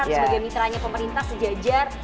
sebagai mitra nya pemerintah sejajar